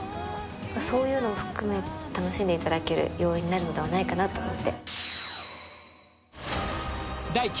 そういうのを含めて楽しんでいただける要因になるのではないかなと思って。